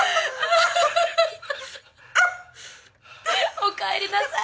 おかえりなさい。